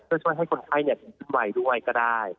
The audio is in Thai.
เพื่อช่วยให้คนไข้เนี่ยขึ้นใหม่ด้วยก็ได้